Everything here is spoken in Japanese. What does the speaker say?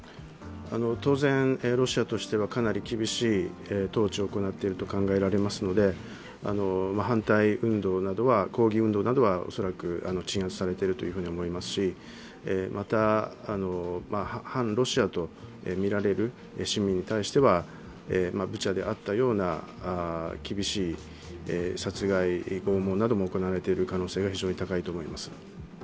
当然ロシアとしてはかなり厳しい統治を行っていると考えられますので、反対運動など、抗議運動などは恐らく鎮圧されてると思いますしまた反ロシアとみられる市民に対しては、ブチャであったような厳しい殺害・拷問なども行われている可能性が非常に高いと思います。